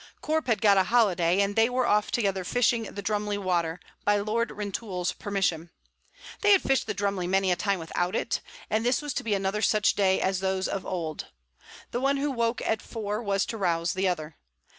Corp had got a holiday, and they were off together fishing the Drumly Water, by Lord Rintoul's permission. They had fished the Drumly many a time without it, and this was to be another such day as those of old. The one who woke at four was to rouse the other.